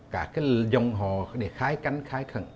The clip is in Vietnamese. cả dòng họ để khai cánh khai khẩn